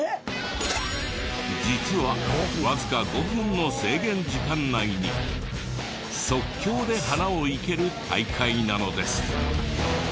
実はわずか５分の制限時間内に即興で花を生ける大会なのです。